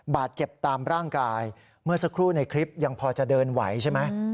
บาดเจ็บตามร่างกายเมื่อสักครู่ในคลิปยังพอจะเดินไหวใช่ไหม